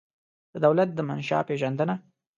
د دولت د منشا پېژندنه